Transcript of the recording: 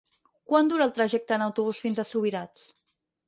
Quant dura el trajecte en autobús fins a Subirats?